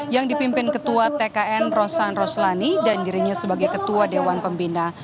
yang dipimpin ketua tkn rosan roslani dan dirinya sebagai ketua dewan pembina